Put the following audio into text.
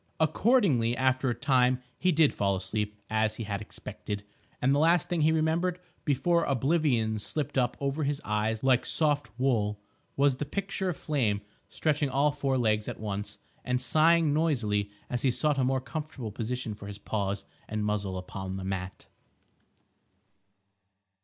Accordingly, after a time, he did fall asleep as he had expected, and the last thing he remembered, before oblivion slipped up over his eyes like soft wool, was the picture of Flame stretching all four legs at once, and sighing noisily as he sought a more comfortable position for his paws and muzzle upon the mat.